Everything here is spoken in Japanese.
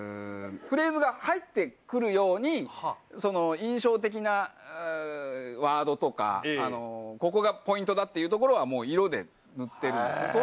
フレーズが入って来るように印象的なワードとかここがポイントだというところはもう色で塗ってるんです。